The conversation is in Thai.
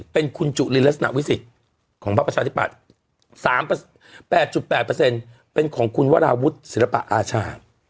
เป็นคุณจุลินลักษณะวิสิทธิ์ของพักประชาธิปัตย์๓๘๘เป็นของคุณวราวุฒิศิลปะอาชา